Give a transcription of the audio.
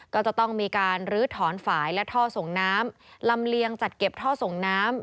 ก็จะต้องมีการลื้อถอนฝ่ายและท่อส่งน้ำลำเลียงจัดเก็บท่อส่งน้ำ